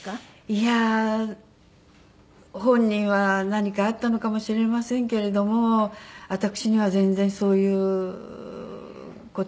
いや本人は何かあったのかもしれませんけれども私には全然そういう事は見せないで。